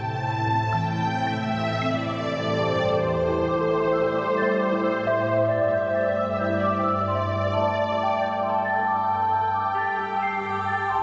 โปรดติดตามตอนต่อไป